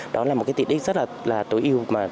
đó là một cái tiện ích rất là tối ưu